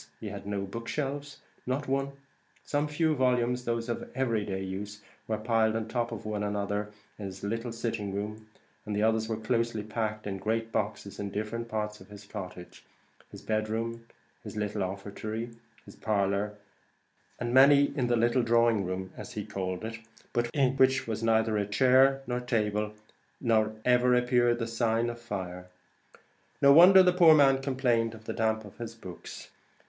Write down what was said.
he had no book shelves, not one; some few volumes, those of every day use, were piled on the top of one another in his little sitting room; the others were closely packed in great boxes in different parts of the cottage his bed room, his little offertory, his parlour, and many in a little drawing room, as he called it, but in which was neither chair nor table, nor ever appeared the sign of fire! No wonder the poor man complained the damp got to his books.